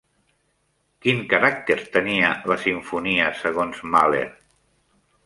Quin caràcter tenia la simfonia segons Mahler?